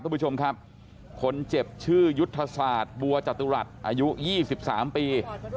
คุณผู้ชมครับคนเจ็บชื่อยุทธศาสตร์บัวจตุรัสอายุ๒๓ปี